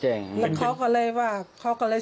สองสามีภรรยาคู่นี้มีอาชีพ